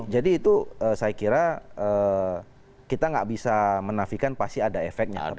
jadi itu saya kira kita gak bisa menafikan pasti ada efeknya